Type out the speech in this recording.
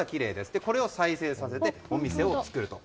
これを再生させてお店を作ると。